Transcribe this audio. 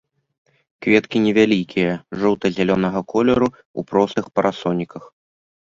Кветкі невялікія, жоўта-зялёнага колеру, у простых парасоніках.